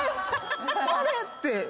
あれ？って。